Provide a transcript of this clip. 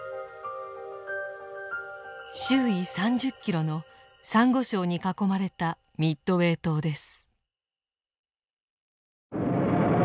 周囲３０キロのサンゴ礁に囲まれたミッドウェー島です。